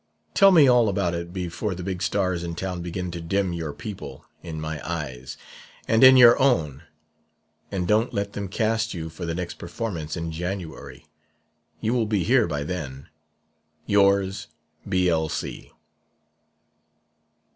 Tell me all about it before the big stars in town begin to dim your people in my eyes and in your own; and don't let them cast you for the next performance in January. You will be here by then. "Yours, "B.L.C."